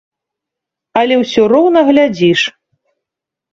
Але ўсё роўна глядзіш.